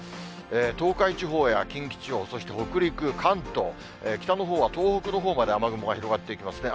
東海地方や近畿地方、そして北陸、関東、北のほうは東北のほうまで雨雲が広がっていきますね。